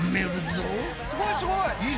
すごいすごい。